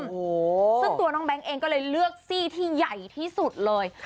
ซึ่งตัวน้องแก๊งเองก็เลยเลือกซี่ที่ใหญ่ที่สุดเลย